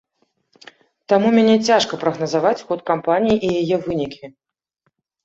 Таму мяне цяжка прагназаваць ход кампаніі і яе вынікі.